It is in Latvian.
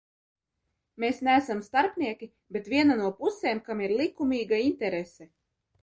Mēs neesam starpnieki, bet viena no pusēm, kam ir likumīga interese.